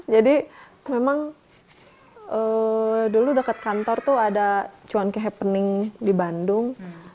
jadi memang dulu dekat kantor itu ada cwangki happening di bandung